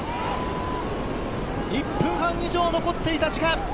１分半以上残っていた時間。